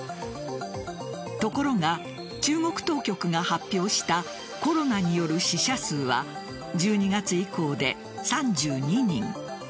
ところが、中国当局が発表したコロナによる死者数は１２月以降で３２人。